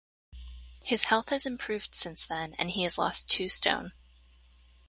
His health has improved since then and he has lost two stone.